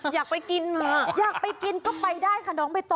อยากไปกินมาอยากไปกินก็ไปได้ค่ะน้องใบตอ